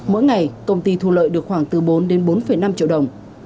mỗi ngày công ty thu lợi được khoảng từ bốn đến bốn năm triệu đồng